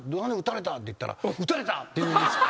何だ？」って言ったら「撃たれた！」って言うんですよ。